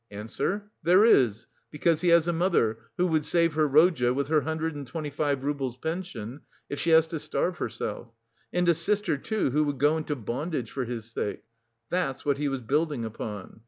Answer: there is, because he has a mother who would save her Rodya with her hundred and twenty five roubles pension, if she has to starve herself; and a sister, too, who would go into bondage for his sake. That's what he was building upon....